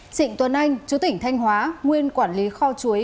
trịnh tuấn anh chú tỉnh thanh hóa nguyên quản lý kho chuối